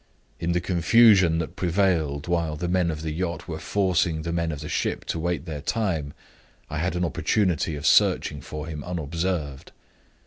In the confusion that prevailed while the men of the yacht were forcing the men of the ship to wait their time, I had an opportunity of searching for him unobserved.